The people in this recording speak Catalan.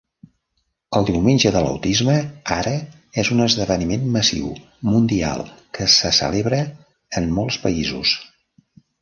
El Diumenge de l'autisme ara és un esdeveniment massiu mundial que se celebra en molts països.